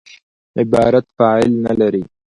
عبارت فاعل نه لري.